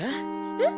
えっ？